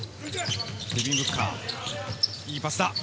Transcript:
いいパスだ。